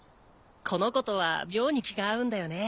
この子とは妙に気が合うんだよね。